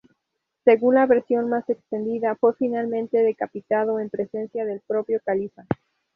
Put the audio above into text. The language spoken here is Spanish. Según la versión más extendida fue finalmente decapitado en presencia del propio Califa.